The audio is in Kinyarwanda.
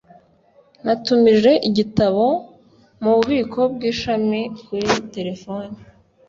natumije igitabo mububiko bw'ishami kuri terefone